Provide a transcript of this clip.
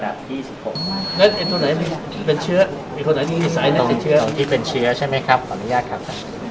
สวัสดีครับ